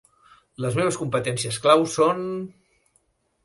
Les meves competències claus són...